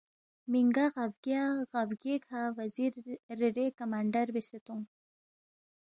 مِنگا غا بگیا غا بگیے کھہ وزیر ریرے کمانڈر بیاسے تونگ